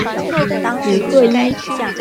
吕赫伊。